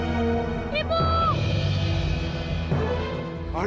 tolong lepaskan aku